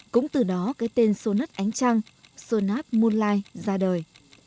cũng từ đó cái tên sôn ất ánh trăng sôn ất moonlight ra đời